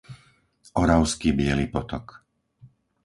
Oravský Biely Potok